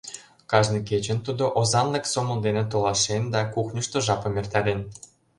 Кажне кечын тудо озанлык сомыл дене толашен да кухньышто жапым эртарен.